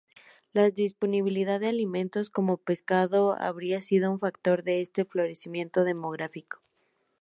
La disponibilidad de alimentos, como pescados, habría sido un factor de este florecimiento demográfico.